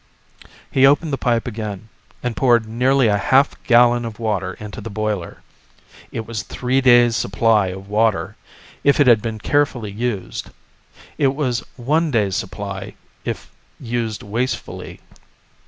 He opened the pipe again and poured nearly a half gallon of water into the boiler. It was three days' supply of water, if it had been carefully used. It was one day's supply if used wastefully.